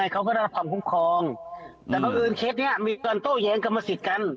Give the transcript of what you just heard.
เขาก็ได้รับความคุ้มครองแต่บังเอิญเคสนี้มีการโต้แย้งกรรมสิทธิ์กัน